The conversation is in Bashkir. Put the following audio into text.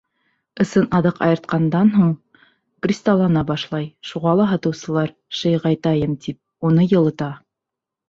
Ысын аҙыҡ айыртҡандан һуң кристаллана башлай, шуға ла һатыусылар, шыйығайтайым тип, уны йылыта.